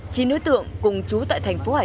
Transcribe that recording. chính đối tượng cùng chú tại thành phố hải dương